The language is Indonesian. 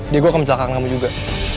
diego akan mencelakakan kamu juga